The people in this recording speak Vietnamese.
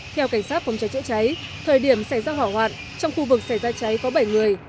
theo cảnh sát phòng cháy chữa cháy thời điểm xảy ra hỏa hoạn trong khu vực xảy ra cháy có bảy người